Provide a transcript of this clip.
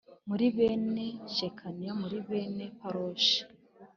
Muri bene Shekaniya muri bene Paroshi